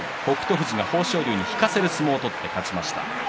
富士が豊昇龍に引かせる相撲を取って勝ちました。